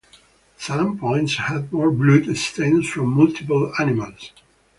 Some points had more blood stains from multiple animals.